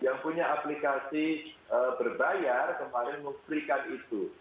yang punya aplikasi berbayar kemarin memberikan itu